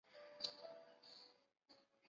屈布内泽。